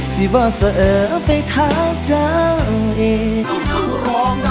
เสิร์ฟไปทางจ้างอีก